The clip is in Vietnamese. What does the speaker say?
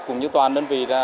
cũng như toàn đơn vị